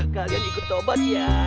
kalian ikut tobat ya